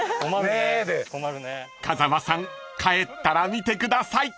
［風間さん帰ったら見てください］